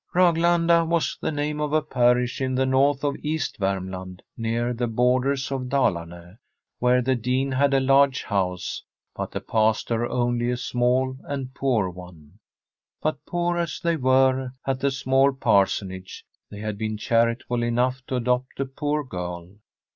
From d SfFEDlSH HOMESTEAD III Raglanda was the name of a parish in the north of East Vemiland, near the borders of Dalarne, where the Dean had a large house, but the pastor only a small and poor one. But poor as they were at the small parsonage, they had been charitable enough to adopt a poor girl.